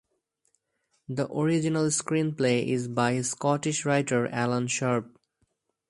The original screenplay is by Scottish writer Alan Sharp.